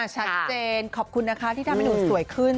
ชัดเจนขอบคุณนะคะที่ทำให้หนูสวยขึ้น